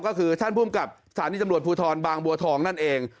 ก็คือท่านภูมิกับสถานีตำรวจภูทรบางบัวทองนั่นเอง